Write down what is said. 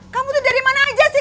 kamu tuh dari mana aja sih